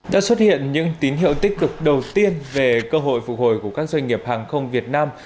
đã xuất hiện những tín hiệu tích cực đầu tiên về cơ hội phục hồi của các doanh nghiệp hàng không việt nam